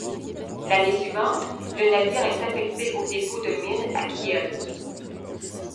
L'année suivante, le navire est affecté au dépôt de mines à Kiel.